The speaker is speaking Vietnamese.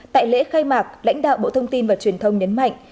tại lễ khai mạc lãnh đạo bộ thông tin và truyền thông nhấn mạnh